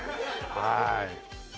はい。